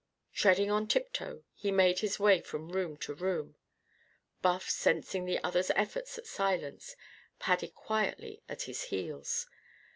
Treading on tiptoe, he made his way from room to room. Buff, sensing the other's efforts at silence, padded quietly at his heels.